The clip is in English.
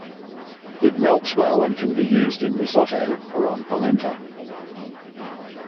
It melts well, and can be used in risotto or on polenta.